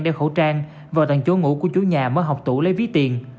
đeo khẩu trang vào tầng chỗ ngủ của chú nhà mất học tủ lấy ví tiền